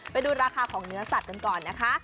ไปดูราคาของเนื้อสัตว์กันก่อนนะคะ